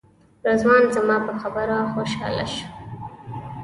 رضوان زما په خبره خوشاله شو.